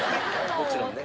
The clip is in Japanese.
もちろんね。